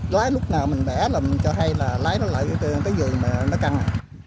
lái lúc nào mình bẻ là mình cho hay là lái nó lại cái vườn mà nó căng